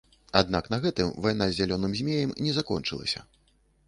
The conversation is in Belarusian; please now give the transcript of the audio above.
Аднак на гэтым вайна з зялёным змеем не закончылася.